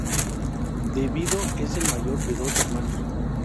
De Vido es el mayor de dos hermanos.